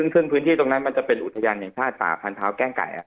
ซึ่งพื้นที่ตรงนั้นมันจะเป็นอุทยานแห่งชาติป่าพันเท้าแก้งไก่